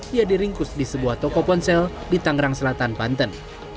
ia diringkus di sebuah toko ponsel di tangerang selatan banten